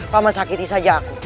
paman sakiti saja aku